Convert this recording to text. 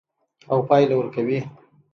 او پایله ورکوي.